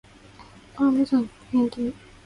ああ無惨～極限責め～